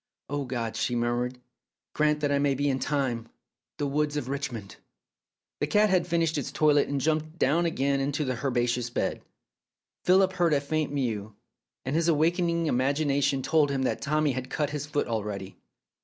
' Oh, God,' she murmured, ' grant that I may be in time !' The woods of Richmond ..." The cat had finished its toilet and jumped down again into the herbaceous bed. Philip heard a faint mew, and his awaking imagina tion told him that Tommy had cut his foot already.